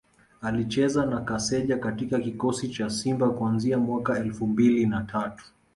Alicheza na Kaseja katika kikosi cha Simba kuanzia mwaka elfu mbili na tatu